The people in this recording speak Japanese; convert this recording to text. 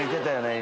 今。